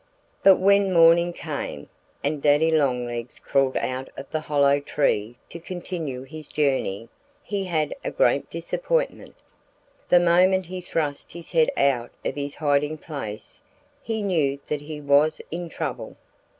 But when morning came, and Daddy Longlegs crawled out of the hollow tree to continue his journey, he had a great disappointment. The moment he thrust his head out of his hiding place he knew that he was in trouble.